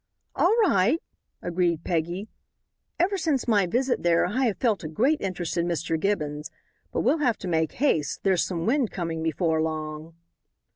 "All right," agreed Peggy; "ever since my visit there I have felt a great interest in Mr. Gibbons. But we'll have to make haste, there's some wind coming before long."